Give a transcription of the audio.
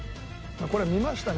「これ見ましたね